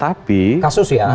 tapi dalam hal ini